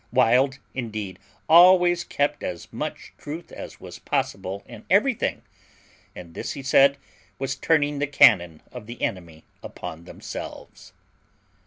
Wild indeed always kept as much truth as was possible in everything; and this he said was turning the cannon of the enemy upon themselves.